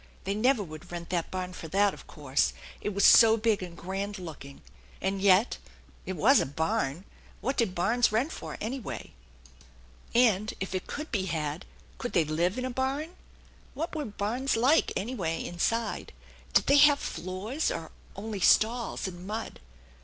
They never would rent that barn for that, of course, it was so big and grand looking; and yet it was a barn! What did barns rent for, anyway? 16 THE ENCHANTED BARN And, if it could be had, could they live in a barn ? What were barns like, anyway, inside? Did they have floors, or only stalls and mud?